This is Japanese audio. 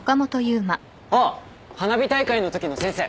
あっ花火大会のときの先生。